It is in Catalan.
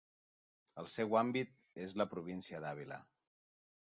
El seu àmbit és la província d'Àvila.